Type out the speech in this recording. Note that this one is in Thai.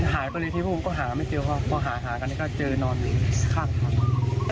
หายไปเลยที่ภูมิเขาก็หาไม่เจอเขาหาก็เจอนอนข้างครับ